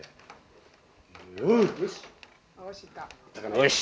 よし。